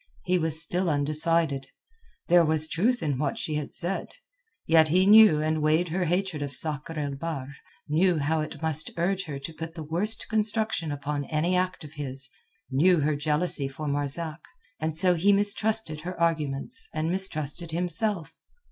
He was still undecided. There was truth in what she had said; yet he knew and weighed her hatred of Sakr el Bahr, knew how it must urge her to put the worst construction upon any act of his, knew her jealousy for Marzak, and so he mistrusted her arguments and mistrusted himself.